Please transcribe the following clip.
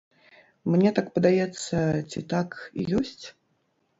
Мне так падаецца ці так і ёсць?